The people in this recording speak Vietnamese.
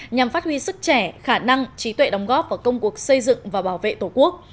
nhằm phát huy sức trẻ khả năng trí tuệ đóng góp vào công cuộc xây dựng và bảo vệ tổ quốc